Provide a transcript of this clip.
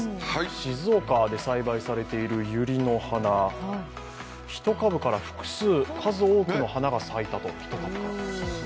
静岡で栽培されているユリの花、１株から複数、数多くの花が咲いたと。